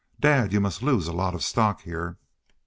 Dad, you must lose a lot of stock here."